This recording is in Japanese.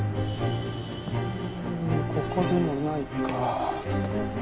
うんここでもないか。